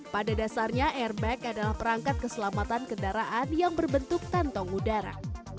pada dasarnya airbag adalah perangkat keselamatan kendaraan yang berbentuk kantong udara